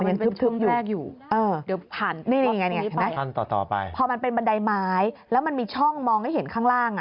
มันยังคึบอยู่พอมันเป็นบันไดไม้แล้วมันมีช่องมองให้เห็นข้างล่าง